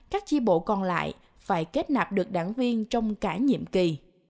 các chi bộ còn lại phải kết nạp được đảng viên trong cả nhiệm kỳ